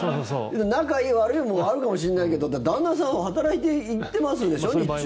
仲いい悪いもあるかもしれないけどだって、旦那さんは働いていってますでしょ、日中。